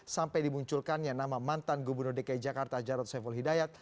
sampai dimunculkannya nama mantan gubernur dki jakarta jarod saiful hidayat